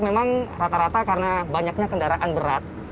memang rata rata karena banyaknya kendaraan berat